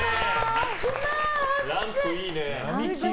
ランプいいね。